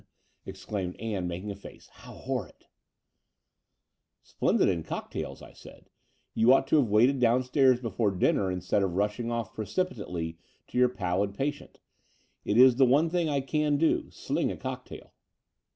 exclaimed Ann, making a face. "How horrid!" '* Splendid in cocktails, '* I said. You ought to have waited downstairs before dinner instead of rushing off precipitately to your pallid patient. It is the one thing I can do — sling a cocktail."